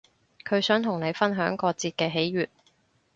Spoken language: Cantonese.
佢想同你分享過節嘅喜悅